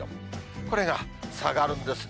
これが下がるんですね。